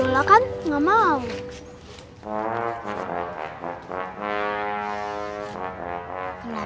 wuiola kan gak mau